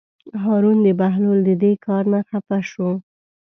هارون د بهلول د دې کار نه خپه شو.